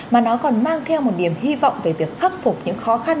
mà nó còn mang theo một niềm hy vọng về việc khắc phục những khó khăn